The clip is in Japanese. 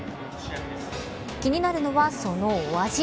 気になるのは、そのお味。